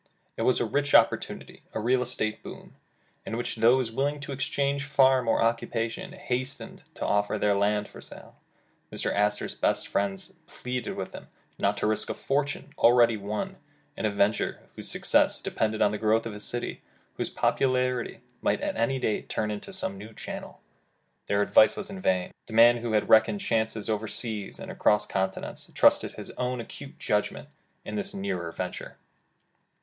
It was a rich opportunity, a real estate boom, in which those wishing to exchange farm or occupation, hastened to offer their land for sale. Mr. Astor 's best friends pleaded with him not to risk a fortune already won, in a venture whose success de pended on the growth of a city, whose popularity might any day turn into some new channel. Their advice was in vain. The man who had reckoned chances over seas, and across continents, trusted his own acute judgment in this nearer venture.